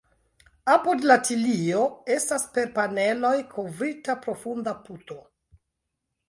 Apud la tilio estas per paneloj kovrita profunda puto.